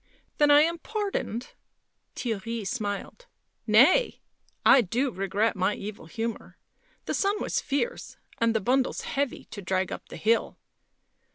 "Then I am pardoned?" Theirry smiled. " Nay, I do regret my evil humour. The sun was fierce and the bundles heavy to drag up the hill."